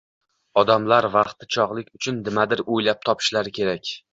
odamlar vaqti chog‘lik uchun nimadir o‘ylab topishlari kerak!